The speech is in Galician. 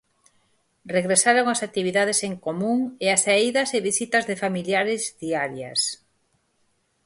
Regresaron ás actividades en común e as saídas e visitas de familiares diarias.